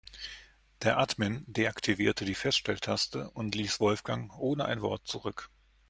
Der Admin deaktivierte die Feststelltaste und ließ Wolfgang ohne ein Wort zurück.